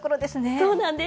そうなんです。